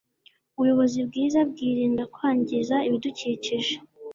ubuyobozi bwiza bwirinda kwangiza ibidukikije